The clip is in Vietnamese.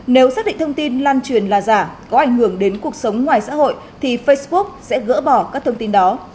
nếu xác định thông tin lan truyền là giả có ảnh hưởng đến cuộc sống ngoài xã hội thì facebook sẽ gỡ bỏ các thông tin đó